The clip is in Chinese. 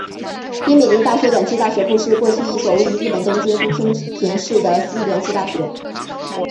樱美林大学短期大学部是过去一所位于日本东京都町田市的私立短期大学。